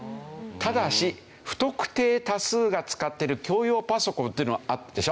ただし不特定多数が使ってる共用パソコンというのがあるでしょ。